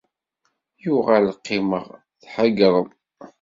Yuɣal qqimeɣ tḥeyyreɣ.